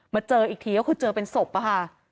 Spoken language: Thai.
มาเจออีกทีแล้วเขาเจอเป็นศพป่ะค่ะ